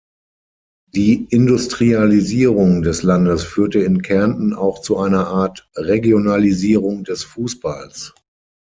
Die Industrialisierung des Landes führte in Kärnten auch zu einer Art Regionalisierung des Fußballs.